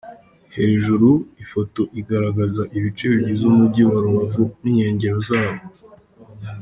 Hejuru: Ifoto igaragaza ibice bigize Umujyi wa Rubavu n’inkengero zawo.